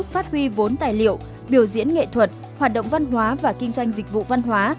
phát huy vốn tài liệu biểu diễn nghệ thuật hoạt động văn hóa và kinh doanh dịch vụ văn hóa